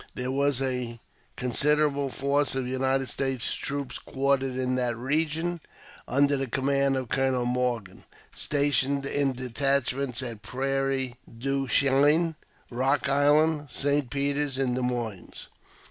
There was a considerable force of United States troops quartered in that region, under the command of Colonel Morgan, stationed in detachments at Prairie du Chien, Eock Island, St. Peter's, and Des Moines.